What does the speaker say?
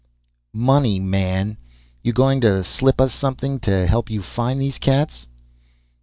"Money, man. You going to slip us something to help you find these cats?"